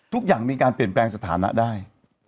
ทุกอย่างมีการเปลี่ยนแปลงสถานะได้